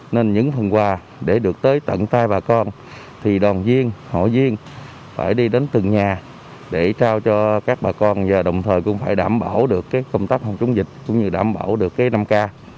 nên những phần quà để được tới tận tay bà con thì đoàn viên hội viên phải đi đến từng nhà để trao cho các bà con và đồng thời cũng phải đảm bảo được công tác phòng chống dịch cũng như đảm bảo được năm k